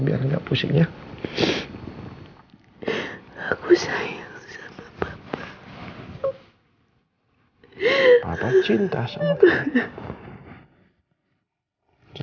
kendaraan dalam keselopayaan telah beruzan